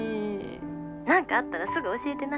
何かあったらすぐ教えてな。